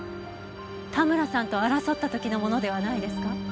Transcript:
田村さんと争った時のものではないですか？